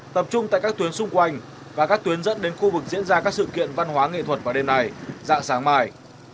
tập trung tại các tuyến xung quanh và các tuyến dẫn đến khu vực diễn ra các sự kiện văn hóa nghệ thuật vào đêm này dạng sáng mai